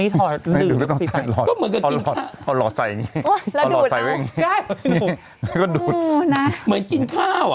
ถอดสมมุติไปกันเสีย๔คนคือ